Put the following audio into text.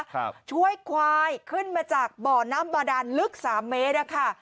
ครับช่วยควายขึ้นมาจากบ่อน้ำบาดานลึกสามเมตรอะค่ะ